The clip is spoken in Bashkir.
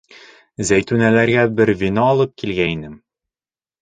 Зәйтүнәләргә бер вино алып килгәйнем.